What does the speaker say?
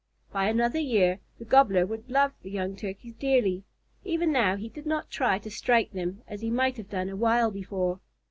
By another year the Gobbler would love the young Turkeys dearly. Even now he did not try to strike them, as he might have done a while before.